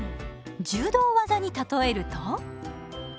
柔道技に例えると？